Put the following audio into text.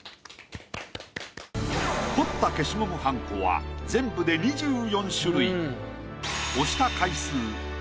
彫った消しゴムはんこは全部で２４種類。